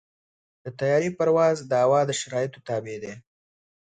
د طیارې پرواز د هوا د شرایطو تابع دی.